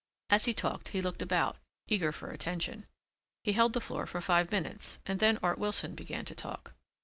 As he talked he looked about, eager for attention. He held the floor for five minutes and then Art Wilson began to talk.